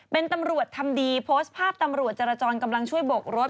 เป็นตำรวจทำดีโพสต์ภาพตำรวจจรจรกำลังช่วยโบกรถ